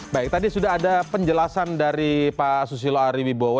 baik tadi sudah ada penjelasan dari pak susilo ariwibowo